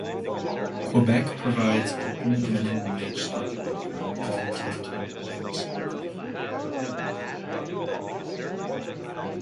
Quebec provides alternate minimum wage schedule for all tipped employees.